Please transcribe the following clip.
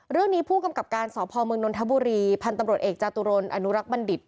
เรื่องนี้ผู้กำกับการสพมนนทบุรีพันธุ์ตำรวจเอกจาตุรนอนุรักษ์บัณฑิต